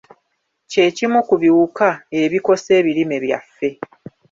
Kye kimu ku biwuka ebikosa ebirime byaffe.